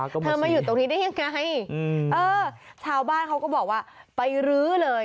เธอมาอยู่ตรงนี้ได้ยังไงเออชาวบ้านเขาก็บอกว่าไปรื้อเลย